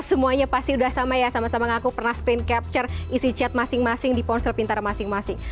semuanya pasti udah sama ya sama sama ngaku pernah sprint capture isi chat masing masing di ponsel pintar masing masing